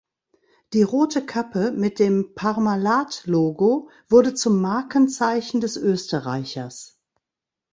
Die rote Kappe mit dem Parmalat-Logo wurde zum Markenzeichen des Österreichers.